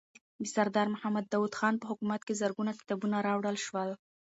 د سردار محمد داود خان په حکومت کې زرګونه کتابونه راوړل شول.